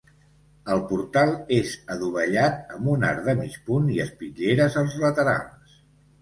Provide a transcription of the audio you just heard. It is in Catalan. El portal és adovellat amb un arc de mig punt i espitlleres als laterals.